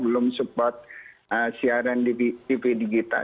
belum support siaran tv digital